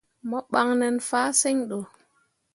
Mo ɓan nen fahsǝŋ ɗo.